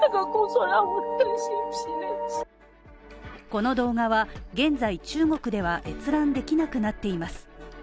この動画は現在中国では閲覧できなくなっています。